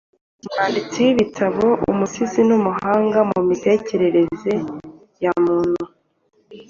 umwanditsi w’ibitabo, umusizi, n’umuhanga mu mitekerereze ya muntu